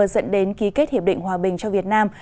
dẫn đến ký kết hiệp định hòa bình cho việt nam